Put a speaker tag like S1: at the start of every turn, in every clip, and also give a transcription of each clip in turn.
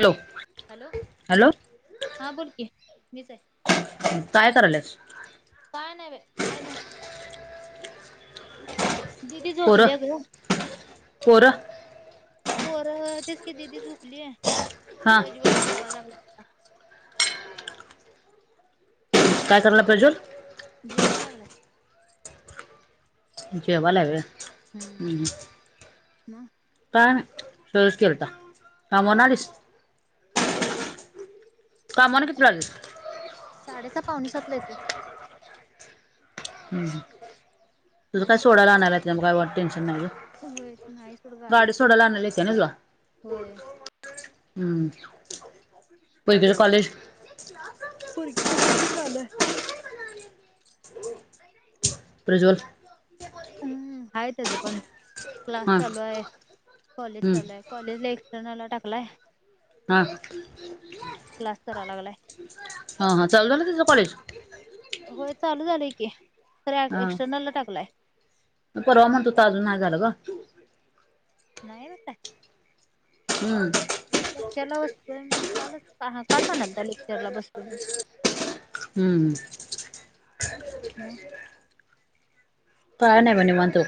S1: Hello!
S2: Hello
S1: hello
S2: हा बोल की मीच आहे.
S1: काय करायलस.
S2: काय नाही बाय हाय. दिदी झोपले अगं.
S1: होर [unintelligible]
S2: पोर तेच कि दिदी झुपली
S1: हां
S2: प्रज्वल जेवायला लागला.
S1: काय करालाेजोल [inaudible]
S2: जेवा लागलाय.
S1: जेवालाय होय.
S2: हम्म मग
S1: काय नाही सहज केलता, कामावरन
S2: आ
S1: आलीस.
S2: आले बाय,
S1: कामावरून कितीला
S2: सातलाच
S1: आलीस
S2: साडेसाहा पावणेसातला येतोय.
S1: हम्म तुझं काय
S2: आणि
S1: सोडायला आणला येतंय मग काय टेन्शन नाही
S2: होय सोड नाही गाडी येत्या
S1: सोडायला आणायला येत्या ना तुला
S2: होय.
S1: पोरगीचं कॉलेज.
S2: पोरगीचं हाय की चालू आहे.
S1: प्रज्वल.
S2: हम्म आहे त्याच पण क्लास
S1: हां
S2: चालू आहे कॉलेज
S1: हम्म
S2: चालू आहे. कॉलेज ला एक्सटर्नला टाकलाय.
S1: हा
S2: क्लास कराय लागलाय
S1: हा हा चालु झाल तेझं कॉलेज.
S2: होय चालू झालंय की ख एक्सटर्नल ला टाकलाय.
S1: मग परवा म्हणतो त अजून नाही झालं ब.
S2: नाही बाय.
S1: हम्म
S2: लेक्चर ला बसतोय, कालच काल पणंत लेक्चरला बसतो मी,
S1: हम्म
S2: या [unintelligible]
S1: काय नाही बघ निवांत.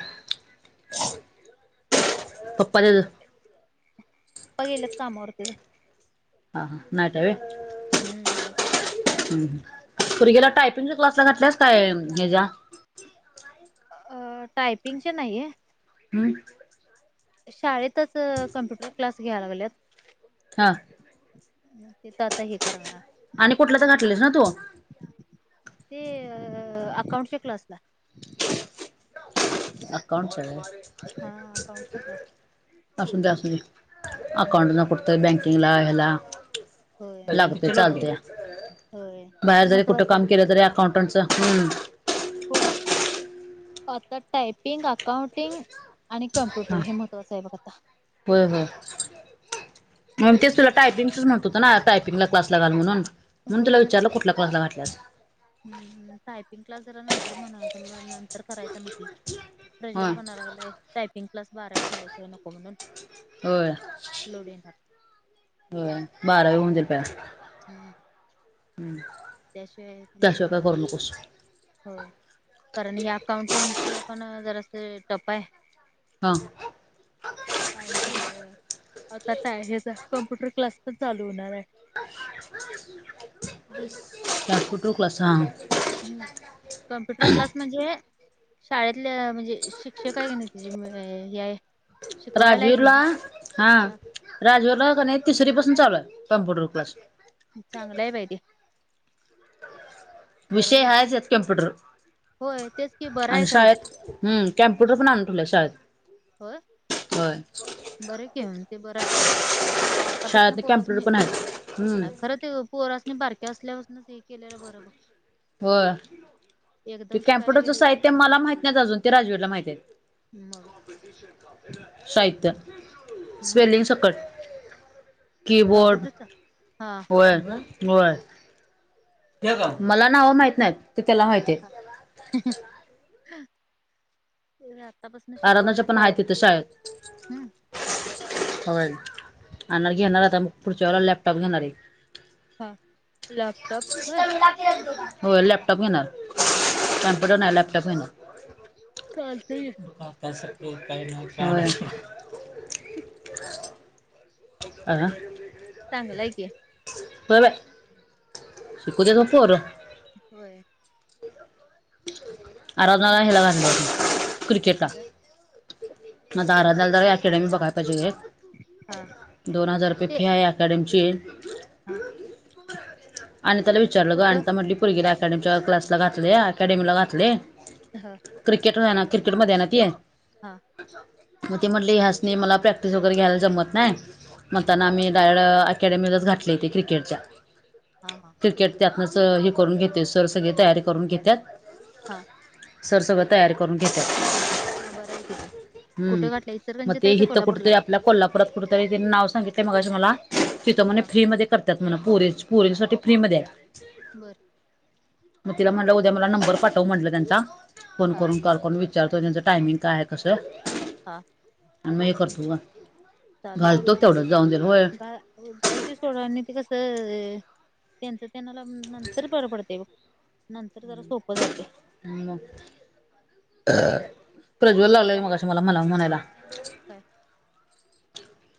S1: हो
S2: पपा गेलेच कामावर.
S1: हा हा नाईट हाय होय.
S2: हम्म्म नाईट हाय.
S1: हम्म पोरगीला टायपिंगच्या क्लासला घातल्यास काय ह्याच्या्या
S2: अ टायपिंगचे नाही.
S1: हम्म.
S2: शाळेतच कम्प्युटर क्लास घ्याय लागल्यात.
S1: हा
S2: ते तर आता हे करणार.
S1: आणि कुटला तर घातलीस ना तू?
S2: ते अकाउंटच्या क्लासला.
S1: अकाऊंट च्या होय.
S2: हा अकाउंटच्या क्लास
S1: असूदे असूदे
S2: हम्म
S1: अकाऊंट ला पण. बँकिंग ला हेला
S2: होय
S1: लागत्या चालत्या.
S2: होय ते
S1: बाहेर जरी कुठे
S2: महत्त्वाचं आहे
S1: काम केलं तरी अकाउंटच. हम.
S2: हो. आता टायपिंग, अकाउंटिंग, आणि कम्प्युटर
S1: हा
S2: हे महत्त्वांच आहे बघ आता.
S1: होय होय. मग तेच तुला टायपिंगच म्हणत होतो ना. टायपिंगला क्लास ला घाल म्हणून, म्हणून तुला विचारलो कुठला क्लास ला घातल्यास.
S2: हम हम. टायपिंग क्लास जरा नंतर म्हणायचा नंतर करायचा म्हटली. प्रज्वल
S1: होय
S2: म्हणाय लागलाय टायपिंग क्लास बारावी झाल्याशिवाय नको म्हणून.
S1: होय.
S2: लोड येणार
S1: होय. बारावी होऊन दे पहिला.
S2: हम्.
S1: हम्.
S2: पण हे
S1: त्याशिवाय काय
S2: होणार
S1: करू नकोस.
S2: होय. कारण या अकाउंटिंगच पण जरास टप आहे.
S1: हा.
S2: काळजी घे. आता टाय हेज कम्प्युटर क्लास पण चालू होणार आहे.
S1: बस. त्यात कुठ बसा.
S2: ह कम्प्युटर क्लास म्हणजे, शाळेतल्या म्हणजे शिक्षक आहे की नाही ते म्हणजे हे हाय शिकवायला आहे की नाही हा
S1: राजवर्धनला कनि तिसरी पासन चालूय कम्प्युटर क्लास.
S2: चांगलंय बाई ते. बरंच
S1: विषय
S2: आहे
S1: हाच आहेत कॉम्प्युटर.
S2: होय तेच की बरं आहे
S1: आणि
S2: खरं ते
S1: शाळेत. हम. कॅम्प्यटर पण आणून ठेवल्यात शाळेत.
S2: होय.
S1: होय.
S2: बर की ते बरं आहे. आतापासन
S1: शाळेत कॅम्प्युटर
S2: पोरासनी
S1: पण आहेत हम्म
S2: खरच ते पोरासनि बारक्या असल्यापासूनच हे केलेलं बरोबर.
S1: होय. ते
S2: शिकायला
S1: कॅम्प्युटरच
S2: गेले
S1: साहित्य मला माहित नाही अजून ते राजवीरला माहित आहेत.
S2: मग
S1: साहित्य,
S2: मग
S1: स्वेलिंगसकट. कीबोर्ड
S2: कम्प्युटरचा हा
S1: होय होय. मला नावं माहित नाहीत. ते त्याला माहिती आहेत.
S2: [unintelligible] ते आत्तापासून शिकवायला
S1: आराधनाच्या पण आहेत
S2: शाळेत.
S1: तिथं शाळेत
S2: हम्.
S1: होय आणणार घेणार आता. मग पुढच्या वेळेला लॅपटॉप घेणार आहे.
S2: हां लॅपटॉप होय.
S1: होय. लॅपटॉप घेणार.
S2: हा हा
S1: कम्प्युटर नाही लॅपटॉप घेणार.
S2: चालतंय की.
S1: त्यास काही नाही. आ होय
S2: चांगलाय की
S1: बाई शिकूदेत म पोर
S2: होय
S1: आराधनाला ह्याला घालली क्रिकेटला
S2: कुठं
S1: आता आराधनाला जरा अकॅडमी मी बघाय पाहिजे
S2: हा
S1: एक दोन हजार रुपये
S2: ते
S1: फि आहे ह्यात [unintelligible]
S2: हा
S1: अनिताला विचारलं ग
S2: कुठं
S1: अनिता म्हटली पुरगीला अकॅडमीच्या क्लासला घातलय अकॅडमीला घातलय
S2: ह
S1: क्रिकेट ना क्रिकेटमध्ये आहे ना ती
S2: हां
S1: मग ती म्हटली ह्यासनी मला प्रॅक्टिस वगैरे घ्यायला जमत नाही
S2: हा
S1: मगताना आम्ही डाय अ अकॅडमीच घातलय क्रिकेटच्या
S2: हा, हा
S1: क्रिकेट त्यातनच हे करून घेते सर सगळी तयारी करून घेत्यात
S2: हां
S1: सर सगळ तयारी करून घेत्यात
S2: मग बरं आहे कि तेे कुठे घातलय इचलकरंजीत आहे का कोल्हापूरला
S1: आपला कोल्हापुरात कुठतरी तिनी नाव सांगितलय मगा मला तिथं म्हणे
S2: हा
S1: फ्री मध्ये करतात म्हणा पोरींच पोरींसाठी फ्री मध्ये आहे
S2: बर
S1: मग तिला म्हटलं उद्या मला नंबर पाठव म्हटलं त्यांचा फोन
S2: हा
S1: करून कॉल करून विचा विचारतो त्यांचं टायमिंग काय आहे कसं
S2: हां
S1: आणि म हे करतो ग घालतो तेवढं जाऊन होय
S2: हो जाऊ दे सोड आणि ते कसं त्यांचं त्यांनाला नंतर बरं पडतय बघ नंतर जरा सोपं जातंय
S1: प्रज्वल
S2: इकडं
S1: आलाय मगाशी तुम्हाला मला म्हणायला
S2: काय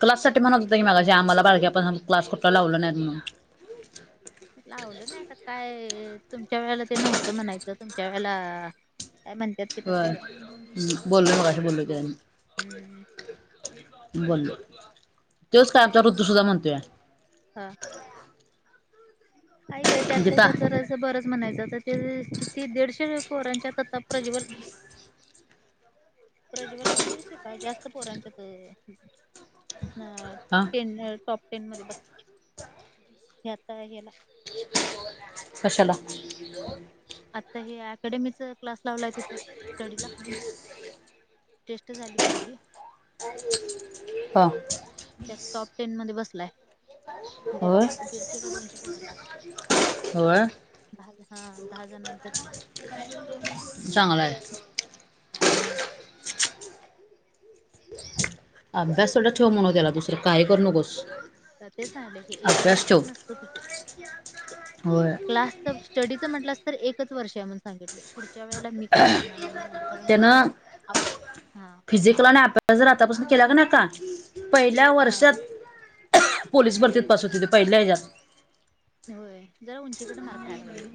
S1: क्लास साठी म्हणत होता की मगाशी आम्हाला बारक्यापनी क्लास कुठला लावला नाहीत म्हणून
S2: लावलं नाही आता काय तुमच्या वेळेला ते नव्हतं म्हणायचं तुमच्या वेळेला काय म्हणत्यात
S1: होय बोललो मगाशी बोललोय
S2: हम्म
S1: त्याला मी बोललो तोच काय आपचा ऋतू सुुद्धा म्हणतोया
S2: ह हाय ग त्यातला
S1: गीता
S2: त्यात जरा बरच म्हणायचं आता ते किती दीडशे पोरांच्यात आता प्रज्वल प्रज्वालला दीडशे काय जास्त पोरांच्यात अ
S1: हा
S2: टेन टॉप टेन मध्ये बसते हे आता ह्याला
S1: कशाला
S2: आता हे अकॅडेमीच
S1: [inaudible]
S2: टेस्ट झाली पहिली
S1: ह
S2: त्यात टॉप टेन मध्ये बसलाय
S1: होय
S2: दीडशे, दीडशे का दोनशे पोरांच्यात
S1: होय
S2: दहा हा दहाजणाच्यात
S1: चांगलं आय.
S2: हम्म.
S1: अभ्यास तेवढा ठेव म्हणाव त्याला दुसरं काही करू नकोस.
S2: तर ते सांगितल की एक
S1: अभ्यास
S2: वर्षच
S1: ठेव
S2: नुसतं तुझे
S1: होय
S2: क्लास. स्टडीचं म्हटलास तर एकच वर्ष आहे म्हणून सांगितलोय,, पुढच्या च्या वेळेला मी काही करणार म्हणून सांगितलोय, कारण कसं आहे
S1: त्यानं
S2: आपण, हा.
S1: फिजिकल न जर आतापासनं केला क नाही आता पहिल्या
S2: हा
S1: वर्षात, पोलीस भरतीत
S2: होय
S1: पास होतोय तो पहिल्या हज्यात.
S2: होय,, जरा उंचीकडं मार खाया लागलय ग,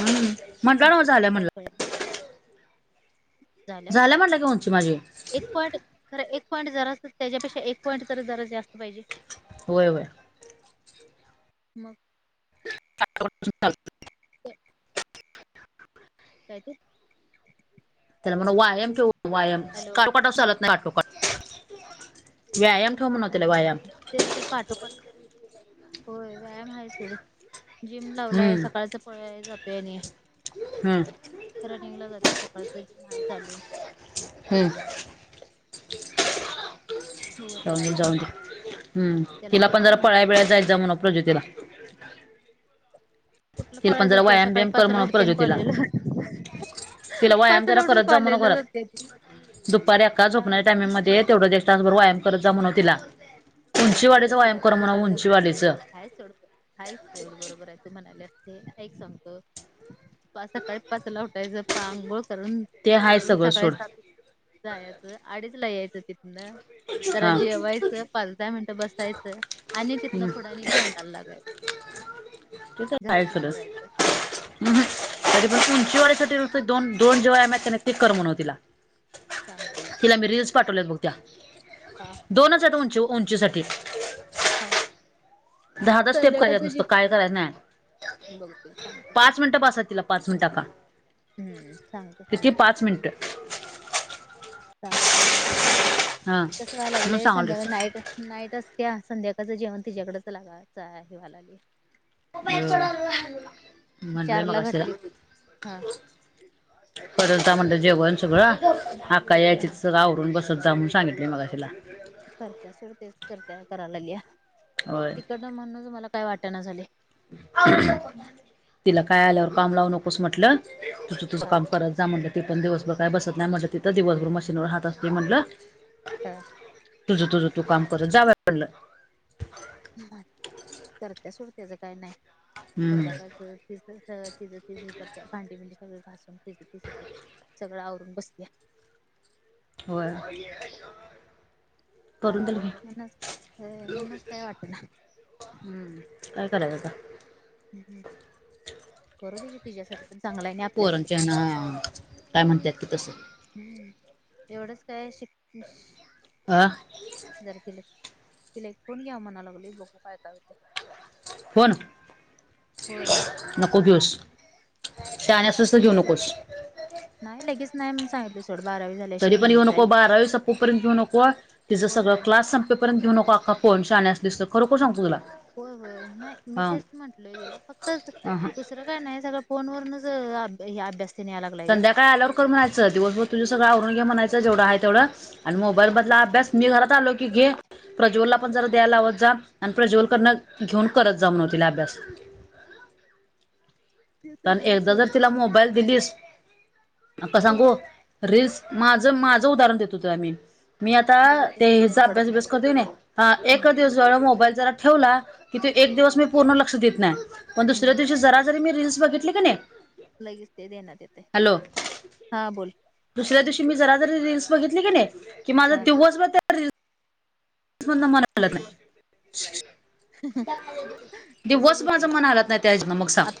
S1: हम्म
S2: की
S1: म्हटला ना
S2: उंचीच
S1: झाल्या
S2: काय
S1: म्हणला
S2: कळेना. झाल्या म्हटला.
S1: म्हटलं की उंची माझी
S2: एक पॉईंट, खरं एक पॉईंट जराच त्याच्यापेक्षा एक पॉईंट तर जरा जास्त पाहिजे.
S1: होय होय.
S2: मग. ते
S1: चालतंय.
S2: काय ते.
S1: त्याला म्हणून व्यायाम ठेव, व्यायाम ठेव,
S2: हॅलो
S1: काटोकाट असं चालत नाही काठोकाठ. व्यायाम ठेव म्हण
S2: हम्म, तेच की काठोकाट होय व्यायाम हाय सोड,, जिम लावलाय
S1: हम्म
S2: सकाळचं पळायला जातोय आणि.
S1: हम्म.
S2: रनिंगला जातोय सकाळचं, जिम हाय चालू.
S1: हम्म.
S2: बघू आता काय
S1: जाऊदे
S2: होते
S1: जाऊदे,, हम्म,
S2: त्याला
S1: तिला
S2: तेच
S1: पण जरा पळाय
S2: सांगितलंय बघ
S1: बिळाय जाईत जा म्हणाव प्रजोतीला. [inaudible]
S2: कुठलं फळाय जात्या सकाळी
S1: बियाम कर
S2: पाचला
S1: म्हणव
S2: उठत्या आणि
S1: प्रज्योतीला
S2: कॉलेजला.
S1: तिला व्यायाम जरा
S2: पाचला ऊठुन
S1: करत जा म्हणव
S2: कॉलेजला
S1: घरात
S2: जात्या ती.
S1: दुपारी अक्का
S2: सांग
S1: झोपण्याच्या टाईमामध्ये तेवढं ते त्याचबरोर व्यायाम करत जा म्हणाव तिला,, उंचीवाडीचा व्यायाम
S2: तिला तर
S1: कर म्हणाव उंचीवाडीचं.
S2: हाय सोड. हाईच तेवड बरोबर हाय तू म्हणाल्यास ते, ऐक सांगतो पाच सकाळी पाचला उठायचं, पांघोळ करून
S1: ते हाय
S2: आवरून
S1: सगळं
S2: सकाळी
S1: सोड
S2: सात जायचं ळआडीच ला यायचं तिथनं, जरा
S1: हा हम्म
S2: जेवायचं, पाच धा मिन टन बसायचं, आणि तिथनं फुडं आनी जेवणाला लागायच.
S1: तुच सरस [unintelligible] हं हं, उंची वाडीसाठी दोन दोन जे व्यायाम हाईत क नाही, ते कर म्हणाव तिला. तिला मी रीलस पाठवलेत बघ त्या.
S2: हा.
S1: दोनच हाईत उंची उंचीसाठी.
S2: होा.
S1: दहा दहा स्टेप कराय नुसतं काय करायचं नाही.
S2: बघतोय सांगतो तुला
S1: पाच मिनिटं बास हाय तिला पाच मिनिटं आक्का.
S2: हम्म सांगतो सांगतोय.
S1: मिनिटं
S2: सांगतो कि तिला,,
S1: हा
S2: कसं व्हाय
S1: म्हणून
S2: लागलय
S1: सांगालोय
S2: संध्याकाळी नाईट नाईटच आसत्या, संध्याकाळचं जेवण तिच्याकडं जाय हे व्हालय.
S1: मोबाईल चं
S2: चार लां घटली हां
S1: परलतां म्हणतं जेवणं सगळं हक्काचं यांयची आवरूंन बसतं जामूंन सांगितले मगं तिलां
S2: करत्यां सडतेचं करत्यां करायलां लियां
S1: होय
S2: तिकडनं म्हणूंनचं मलां कायं वाटतं नां झाले
S1: तिलां कायं आल्यांवरं कामं लावूं नकोस म्हंटलं तूं तुझं
S2: हा
S1: काम करत जा म्हटलं ती पण दिवसंभरं कायं बसतं नाहीं म्हटलं तिथं दिवसंभरं मशीनवरं हातं असते म्हटलं
S2: हा
S1: तुझं तुझं तूं कांम करतं जावं पडलं
S2: करतं सुटत्यांचं कायं नाहीं
S1: हम्म
S2: संध्याकांळ ति तिं तिे करते भांडी पिंडी सगळं घासूंन ति तिे करं सगळं आवरूंन बस्त्यांत
S1: होयं परूंन तलां
S2: म्हंणचं कायं वाटतं नां
S1: हम्मं कायं करायचं आंता
S2: हं हं करूं दे की तिझ्यांसाठी पणं चांगलं आहे आणि आपल्यांसाठी
S1: पोरांच्या
S2: पणं चांगलं आहे
S1: ह्यानं काय म्हणतात की तसं
S2: हम्मं एवढंच कायं शिक
S1: हां आं
S2: जरं किला एक फोण घ्यां म्हणांलागले बघूं कायं कायं हो ते
S1: हो नां
S2: होय
S1: नको घेऊंस शण्यांस
S2: दुसरं नाहीं लगेचं नाहीं सांगितलं सोडं बारावी झाली की
S1: तरी पणं येऊं नको बारावी सपोपर्यंत येऊं नको तिचं
S2: होय
S1: सगळं
S2: होय
S1: क्लास र्यंतेऊ नकोखा पईंटण्यांस खरोखर सगतो तुलां
S2: होयं होयं नाहीं मी तेचं म्हंटलय तिलां
S1: अहं
S2: फक्तं कायं नाहीं सगं फोन व वरूंनचं अभ्यास तेन याय लागलाय ग.
S1: संध्याकांळ आल्यांवर करं म्हणायचं दिवसंभरं तुझं सगळं आवरूंन घ्यायचं म्हणायचं जवढं आहे तेवढं आणि मोबाईल बंदला अभ्यास मी घरांत आलो की घेईन प्रज्वलंला आपणं जरां द्यायला लावतं जां आणि प्रज्वलं करणं घेऊंन करतं जां म्हंणे तिलां अभ्यास
S2: ते तर
S1: पणं
S2: आहे
S1: एकदां
S2: सोड
S1: जरं तिलां मोबाईल दिलीस आंता
S2: हो
S1: सांगू रीलल्स माझं माझं उदाहरणं देते तुलां मी मी आंता ते
S2: बघितल्याशिवाय
S1: हि
S2: चैन
S1: अभ्यास
S2: पडत नाही
S1: बिभ्यास
S2: ग.
S1: करं देऊं नं हां
S2: हम्म
S1: एकचं दिवसं मोबाईल जरां ठेवला की ते एक दिवसं बी पूर्ण लक्षं देतं नाहीं मगं दुसऱ्यां
S2: हम्म
S1: दिवशी जरां जरी मी रीलल्स बघितली कां नाहीं
S2: लगेचं ते ध्यानात येते हांय
S1: हॅलो
S2: हां बोलं
S1: दुसऱ्यां दिवशी मी जरां जरी रीलस बघितली की नाहीं की माझां
S2: हा
S1: दिवसं मतं नाहीं
S2: तसच
S1: दिवसं
S2: होतंय
S1: माझं
S2: की
S1: मनं आलांत नाहीं. त्यां जनमध्यें मगं सांग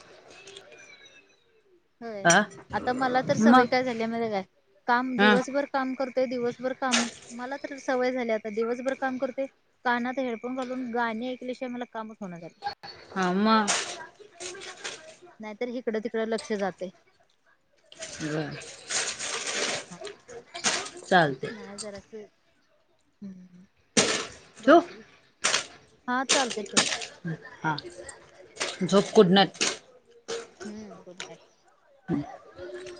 S2: होयं
S1: हा
S2: आंता मलां तरं सवंय
S1: मग
S2: कायं झाली कायं कामं
S1: हा
S2: दिवसंभरं कामं कामं मलां तरं सवय झाली आता दिवसभर काम करते कानांत हेडफोन घालूंन गांणे ऐकल्यांशिवायं मलां कामं चं होणं झालं
S1: हां मगं
S2: नाहीं तरं हिकडं तिकडं लक्षं जाते.
S1: बरं
S2: हं
S1: चालते
S2: कायं जरासं हम्
S1: ठेवू
S2: बघते हा चालते चालते.
S1: हां झोपगुड नाईट.
S2: हम्म गुड नाईट...
S1: हम्...